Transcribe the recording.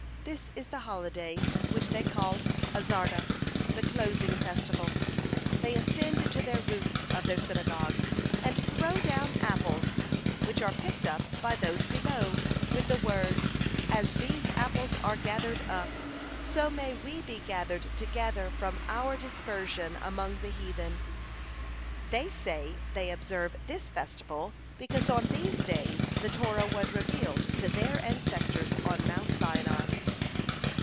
This is the holiday which they call Azarta, the closing festival. They ascend to the roofs of their synagogues, and throw down apples, which are picked up by those below, with the words, 'As these apples are gathered up, so may we be gathered together from our dispersion among the heathen.' They say they observe this festival, because on these days the Torah was revealed to their ancestors on Mount Sinai.